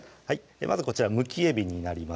まずこちらむきえびになります